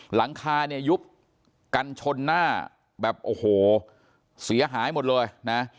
หลังคาเนี่ยยุบกันชนหน้าแบบโอ้โหเสียหายหมดเลยนะ